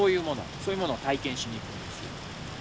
そういうものを体験しに行くんですよ。